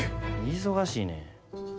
忙しいねん。